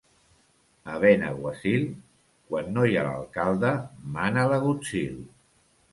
A Benaguasil, quan no hi ha l'alcalde mana l'agutzil.